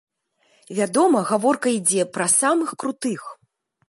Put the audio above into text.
Вядома, гаворка ідзе пра самых крутых.